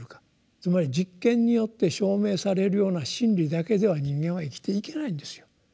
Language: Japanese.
つまり実験によって証明されるような真理だけでは人間は生きていけないんですよ。